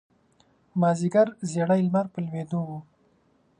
مازیګر زیړی لمر په لویېدو و.